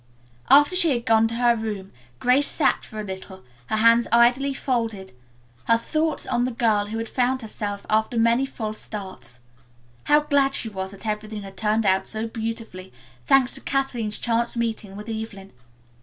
After she had gone to her room Grace sat for a little, her hands idly folded, her thoughts on the girl who had found herself after many false starts. How glad she was that everything had turned out so beautifully, thanks to Kathleen's chance meeting with Evelyn.